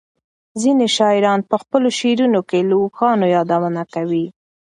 ځینې شاعران په خپلو شعرونو کې له اوښانو یادونه کوي.